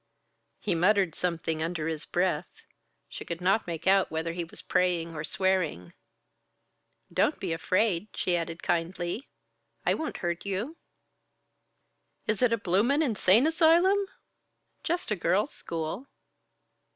He muttered something under his breath. She could not make out whether he was praying or swearing. "Don't be afraid," she added kindly. "I won't hurt you." "Is it a bloomin' insane asylum?" "Just a girl's school."